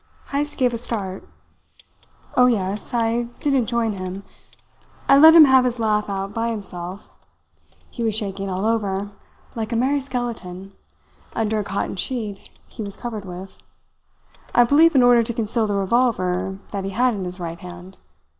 Heyst gave a start. "Oh, yes. I didn't join him. I let him have his laugh out by himself. He was shaking all over, like a merry skeleton, under a cotton sheet he was covered with I believe in order to conceal the revolver that he had in his right hand.